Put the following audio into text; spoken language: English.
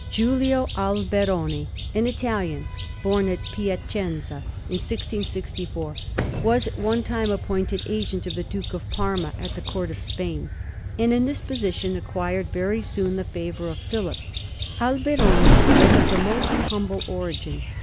Giulio Alberoni, an Italian bom at Piacenza in 1664, was at one time appointed agent of the Duke of Parma at the Court of Spain, and in this position acquired very soon the favour of Philip. Alberoni was of the most humble origin.